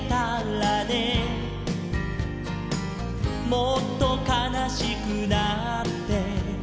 「もっとかなしくなって」